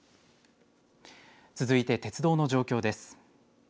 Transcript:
続いて、鉄道の状況です。